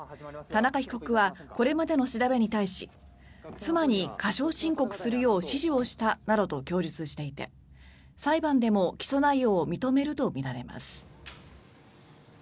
田中被告はこれまでの調べに対し妻に過少申告するよう指示をしたなどと供述していて裁判でも起訴内容を認めるとみられます。